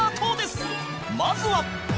まずは